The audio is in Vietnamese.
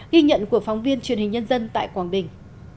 ghi nhận của phóng viên truyền hình nhân dân tại quảng bình